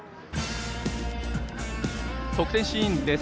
得点シーンです。